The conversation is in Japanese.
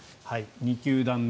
２球団目。